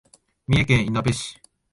三重県いなべ市